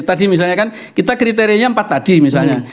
tadi misalnya kan kita kriterianya empat tadi misalnya